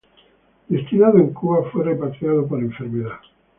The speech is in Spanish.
Destinado en Cuba, fue repatriado por enfermedad.